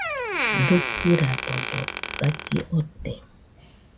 Dukɨradodo galli ote.